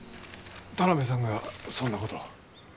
田邊さんがそんなことを。